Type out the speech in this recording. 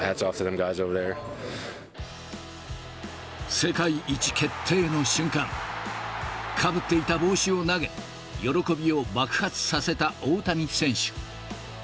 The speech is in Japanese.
世界一決定の瞬間、かぶっていた帽子を投げ、喜びを爆発させた大谷選手。